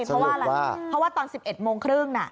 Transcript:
เพราะว่าตอน๑๑โมงครึ่ง